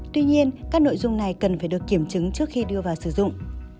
tuy nhiên các nội dung này cần phải được kiểm chứng trước khi đưa vào sử dụng